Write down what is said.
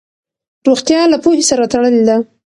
روغتیا له پوهې سره تړلې ده.